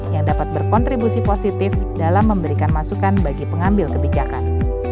yang dapat berkontribusi positif dalam memberikan masukan bagi pengambil kebijakan